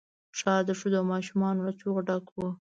ښار د ښځو او ماشومان له چيغو ډک وو.